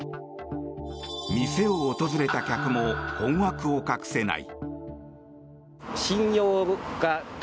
店を訪れた客も困惑を隠せない。